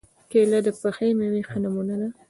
کېله د پخې مېوې ښه نمونه ده.